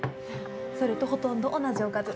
それとほとんど同じおかず。